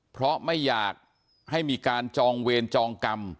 เพราะไม่อยากให้มีการจองเวรจองกรรม